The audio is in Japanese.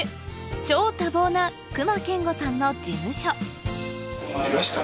超多忙な隈研吾さんの事務所見ました？